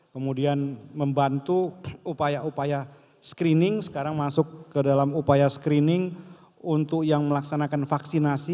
kemudian membantu upaya upaya screening sekarang masuk ke dalam upaya screening untuk yang melaksanakan vaksinasi